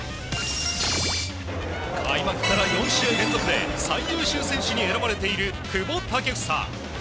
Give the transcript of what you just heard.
開幕から４試合連続で最優秀選手に選ばれている久保建英。